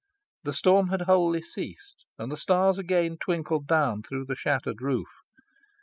The storm had wholly ceased, and the stars again twinkled down through the shattered roof.